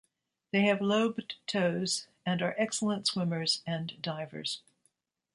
They have lobed toes and are excellent swimmers and divers.